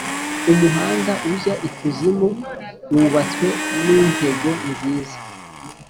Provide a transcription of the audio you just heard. umuhanda ujya ikuzimu wubatswe nintego nziza